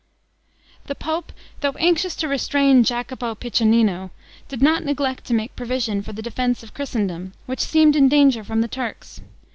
The pope, though anxious to restrain Jacopo Piccinino, did not neglect to make provision for the defense of Christendom, which seemed in danger from the Turks.